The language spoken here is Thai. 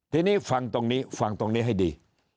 ทีนี้ฟังตรงนี้ฟังตรงนี้ให้ดี